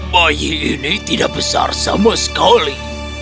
bayi ini tidak besar sama sekali